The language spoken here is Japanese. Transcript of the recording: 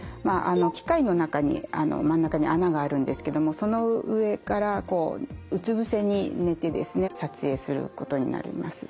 機械の真ん中に穴があるんですけどもその上からうつぶせに寝てですね撮影することになります。